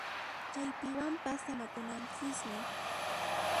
Chaypiwanpas samakunanchismi